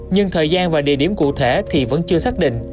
nhưng thời gian và địa điểm cụ thể thì vẫn chưa xác định